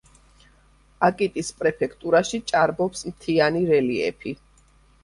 აკიტის პრეფექტურაში ჭარბობს მთიანი რელიეფი.